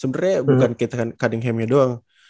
sebenernya bukan kate cunningham nya doang